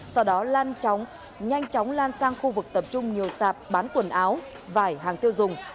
sau đó lan nhanh chóng lan sang khu vực tập trung nhiều sạp bán quần áo vải hàng tiêu dùng